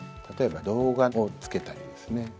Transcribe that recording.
例えば動画を付けたりですね